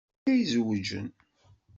D nekk ay izewjen.